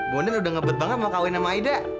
bundan udah ngebet banget mau kawin sama aida